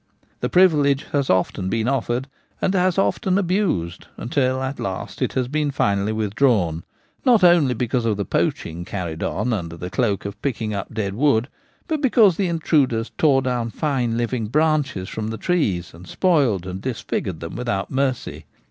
The privilege has often been offered and as often abused, until at last it has been finally withdrawn — not only because of the poaching carried on under the cloak of picking up dead wood, but because the intruders tore down fine living branches from the trees and spoiled and disfigured them with out mercy.